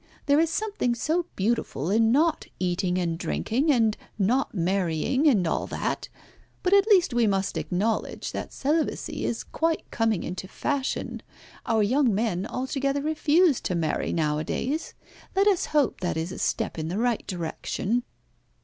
There is something so beautiful in not eating and drinking, and not marrying, and all that; but at least we must acknowledge that celibacy is quite coming into fashion. Our young men altogether refuse to marry nowadays. Let us hope that is a step in the right direction."